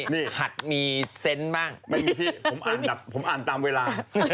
นี่หัดมีเซนต์บ้างไม่มีพี่ผมอ่านตามเวลา